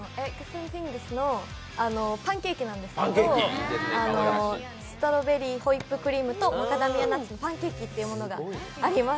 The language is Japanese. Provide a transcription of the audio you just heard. ’ｎＴｈｉｎｇｓのパンケーキなんですけれども、ストロベリー、ホイップクリームとマカダミアナッツのパンケーキっていうのがあります。